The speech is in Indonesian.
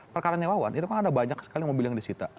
perkara nyawa itu kan ada banyak sekali mobil yang disita